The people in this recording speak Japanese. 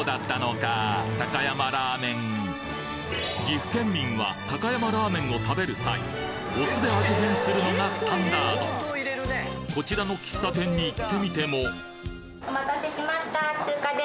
岐阜県民は高山ラーメンを食べる際お酢で味変するのがスタンダードこちらの喫茶店に行ってみてもお待たせしました。